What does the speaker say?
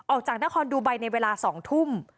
ออกจากนครดูไบในเวลา๒ทุ่ม